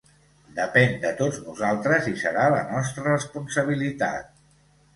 Depèn de tots nosaltres i serà la nostra responsabilitat.